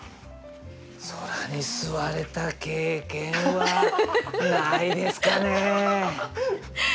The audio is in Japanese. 空に吸われた経験はないですかね。